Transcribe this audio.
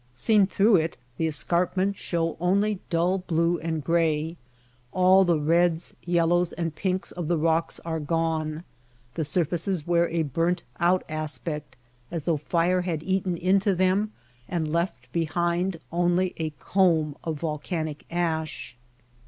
Seen through it the escarpments show only dull blue and gray. All the reds, yellows, and pinks of the rocks are gone ; the surfaces wear a burnt out aspect as though fire had eaten into them and left behind only a comb of volcanic ash.